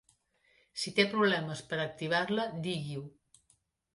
Si té problemes per activar-la, digui-ho.